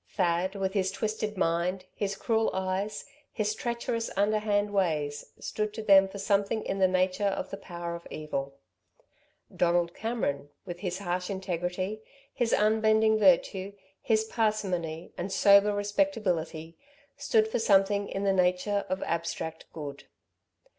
Thad, with his twisted mind, his cruel eyes, his treacherous underhand ways, stood to them for something in the nature of the power of evil. Donald Cameron, with his harsh integrity, his unbending virtue, his parsimony, and sober respectability, stood for something in the nature of abstract good.